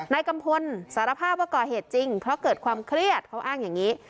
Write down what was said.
กัมพลสารภาพว่าก่อเหตุจริงเพราะเกิดความเครียดเขาอ้างอย่างนี้